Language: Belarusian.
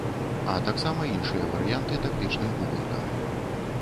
А таксама іншыя варыянты тактычных бугуртаў.